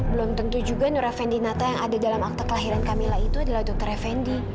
belum tentu juga nure fendi nata yang ada dalam akte kelahiran kamila itu adalah dokter fendi